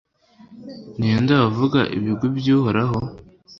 ni nde wavuga ibigwi by'uhoraho